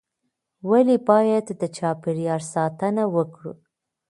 ولې باید د چاپیریال ساتنه وکړو؟